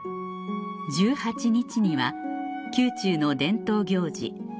１８日には宮中の伝統行事